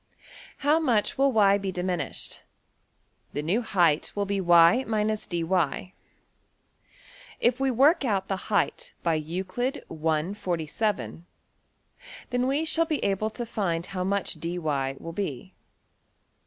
How much will~$y$ be diminished? The new height will be $y dy$. If we work out the height by Euclid I.~47, then we shall be able to find how much $dy$~will be.